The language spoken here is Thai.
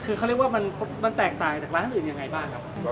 คือเขาเรียกว่ามันแตกต่างจากร้านอื่นยังไงบ้างครับ